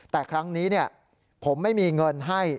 แต่ครั้งนี้ผมไม่มีเงินให้